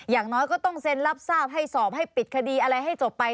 อย่างน้อยก็ต้องเซ็นรับทราบให้สอบให้ปิดคดีอะไรให้จบไป